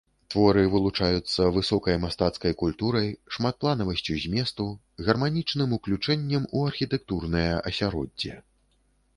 Творы вылучаюцца высокай мастацкай культурай, шматпланавасцю зместу, гарманічным уключэннем у архітэктурнае асяроддзе.